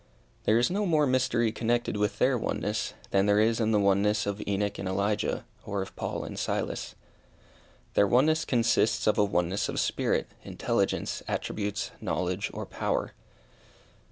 There is no more mystery connected with their oneness, than there is in the oneness of Enoch and Elijah, or of Paul and Silas. Their oneness consists of a oneness of spirit, intelligence, attributes, knowledge, or power.